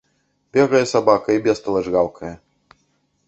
Бегае сабака і бесталач гаўкае.